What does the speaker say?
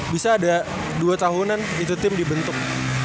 bisa ada dua tahunan itu tim dibentuk